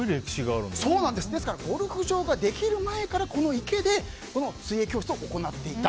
ですからゴルフ場ができる前からこの池で水泳教室を行っていた。